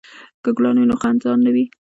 که ګلان وي نو خزان نه وي.